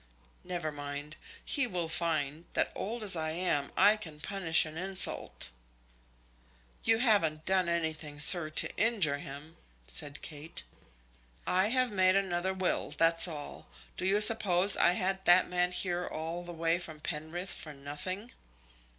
Never mind; he will find that, old as I am, I can punish an insult." "You haven't done anything, sir, to injure him?" said Kate. "I have made another will, that's all. Do you suppose I had that man here all the way from Penrith for nothing?"